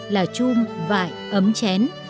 là chum vải ấm chén